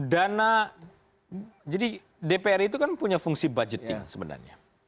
dana jadi dpr itu kan punya fungsi budgeting sebenarnya